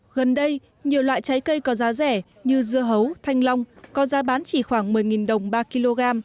gần đây nhiều loại trái cây có giá rẻ như dưa hấu thanh long có giá bán chỉ khoảng một mươi đồng ba kg